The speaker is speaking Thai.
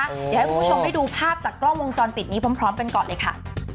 เดี๋ยวให้คุณผู้ชมได้ดูภาพจากกล้องวงจรปิดนี้พร้อมกันก่อนเลยค่ะ